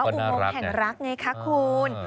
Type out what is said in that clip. อุโมงแข่งรักไงคะคุณ